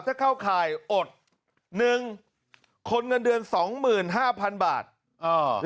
ถ้าเข้าข่ายอดหนึ่งคนเงินเดือนสองหมื่นห้าพันบาทอ่า